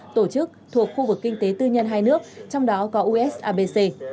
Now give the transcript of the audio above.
tổ chức thuộc khu vực kinh tế tư nhân hai nước trong đó có usabc